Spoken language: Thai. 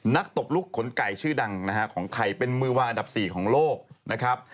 ตบลูกขนไก่ชื่อดังนะฮะของไทยเป็นมือวางอันดับ๔ของโลกนะครับ